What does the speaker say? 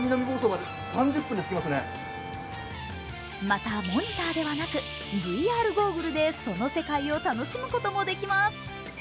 また、モニターではなく、ＶＲゴーグルでその世界を楽しむこともできます。